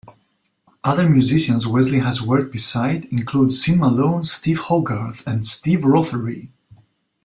Other musicians Wesley has worked beside include Sean Malone, Steve Hogarth and Steve Rothery.